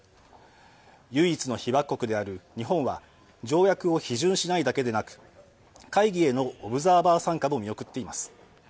唯一の被爆国である日本は条約を批准しないだけでなく会議へのオブザーバー参加も見送っています。